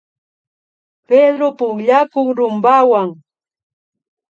Pedro pukllakun rumpawan